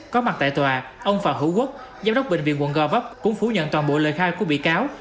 có mặt tại tòa ông phạm hữu quốc giám đốc bệnh viện quận gò vấp cũng phủ nhận toàn bộ lời khai của bị cáo